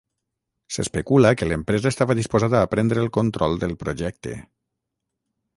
S'especula que l'empresa estava disposada a prendre el control del projecte.